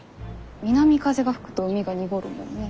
南風が吹くと海が濁るもんね。